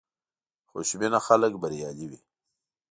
خوشبینه خلک بریالي وي.